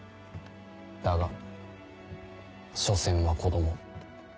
だがしょせんは子供。